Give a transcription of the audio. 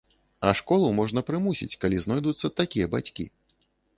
А школу можна прымусіць, калі знойдуцца такія бацькі.